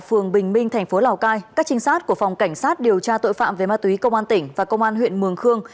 phường bình minh thành phố lào cai các trinh sát của phòng cảnh sát điều tra tội phạm về ma túy công an tỉnh và công an huyện mường khương